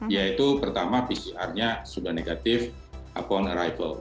yaitu pertama pcr nya sudah negatif appon arrival